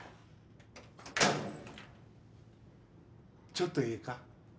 ちょっとええか？